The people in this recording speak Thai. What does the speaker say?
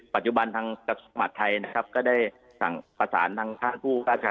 ปัจจุบันทางสมัครไทยนะครับก็ได้สั่งประสานทางท่านผู้